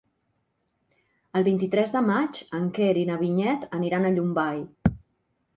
El vint-i-tres de maig en Quer i na Vinyet aniran a Llombai.